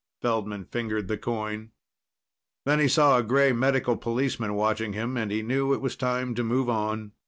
Feldman fingered the coin. Then he saw a gray Medical policeman watching him, and he knew it was time to move on.